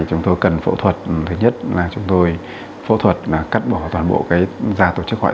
chúng tôi cần phẫu thuật thứ nhất là chúng tôi phẫu thuật mà cắt bỏ toàn bộ cái ra tổ chức hoại